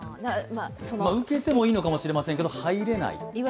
受けてもいいのかもしれませんけれども入ることができない。